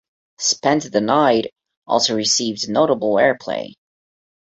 "Spend The Night" also received notable airplay.